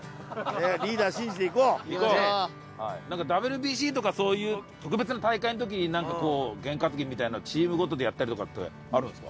なんかＷＢＣとかそういう特別な大会の時になんかこうゲン担ぎみたいなのをチームごとでやったりとかってあるんですか？